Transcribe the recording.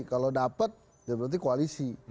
kalau dapat ya berarti koalisi